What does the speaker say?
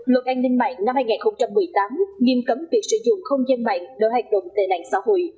luật an ninh mạng năm hai nghìn một mươi tám nghiêm cấm việc sử dụng không gian mạng đối với hoạt động tệ nạn xã hội